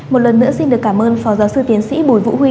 một lần nữa xin được cảm ơn phó giáo sư tiến sĩ bùi vũ huy